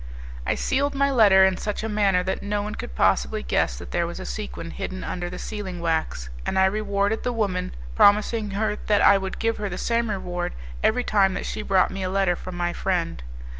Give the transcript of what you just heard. I sealed my letter in such a manner that no one could possibly guess that there was a sequin hidden under the sealing wax, and I rewarded the woman, promising her that I would give her the same reward every time that she brought me a letter from my friend.